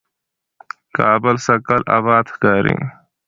کابل سږکال آباد ښکاري،